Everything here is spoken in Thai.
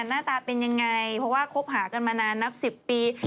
หน้าตาเป็นยังไงเพราะว่าคบหากันมานานนับ๑๐ปี